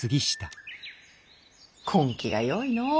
根気がよいのぅ。